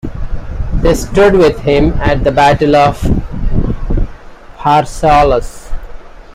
They stood with him at the Battle of Pharsalus.